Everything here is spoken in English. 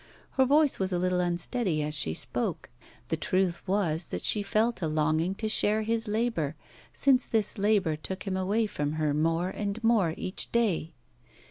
Her voice was a little unsteady as she spoke; the truth was that she felt a longing to share his labour, since this labour took him away from her more and more each day.